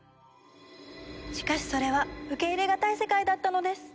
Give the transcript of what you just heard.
しかしそれは受け入れがたい世界だったのです。